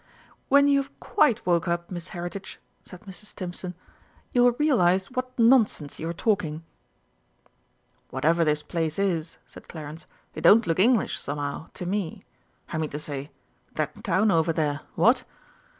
"When you have quite woke up, Miss Heritage," said Mrs. Stimpson, "you will realise what nonsense you are talking." "Whatever this place is," said Clarence, "it don't look English, somehow, to me. I mean to say that town over there what?"